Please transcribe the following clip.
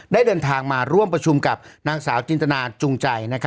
ได้เดินทางมาร่วมประชุมกับนางสาวจินตนาจุงใจ